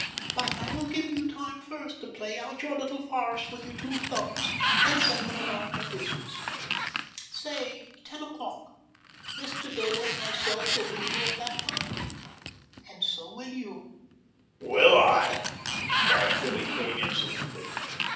But I will give you time first to play out your little farce with your two thugs, and send them about their business. Say, ten o'clock. Mr. Dayler and myself will be here at that time—and so will you." "Will I?" inquired Billy Kane insolently.